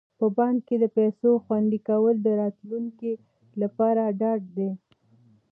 په بانک کې د پيسو خوندي کول د راتلونکي لپاره ډاډ دی.